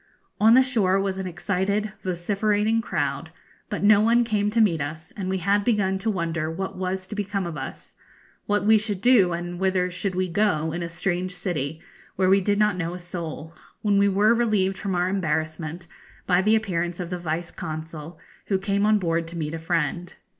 On the shore was an excited, vociferating crowd, but no one came to meet us; and we had begun to wonder what was to become of us what we should do, and whither we should go in a strange city, where we did not know a soul when we were relieved from our embarrassment by the appearance of the Vice Consul, who came on board to meet a friend.